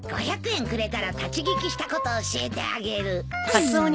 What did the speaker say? ５００円くれたら立ち聞きしたこと教えてあげる。